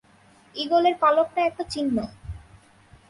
ঈগলের পালকটা একটা চিহ্ন।